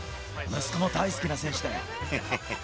息子も大好きな選手だよ。